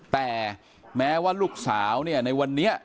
แต่แม้ว่าลูกสาวเนี่ยในวันนี้